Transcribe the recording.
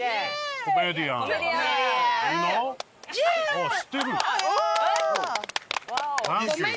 あっ知ってるの？